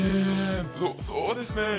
そうですね。